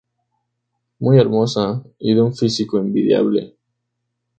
Muy hermosa y de un físico envidiable.